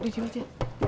udah jual aja